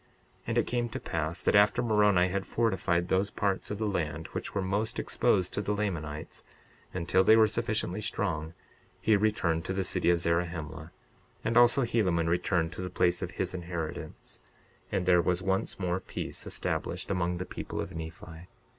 62:42 And it came to pass that after Moroni had fortified those parts of the land which were most exposed to the Lamanites, until they were sufficiently strong, he returned to the city of Zarahemla; and also Helaman returned to the place of his inheritance; and there was once more peace established among the people of Nephi.